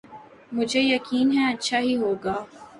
مجھے یقین ہے اچھا ہی ہو گا۔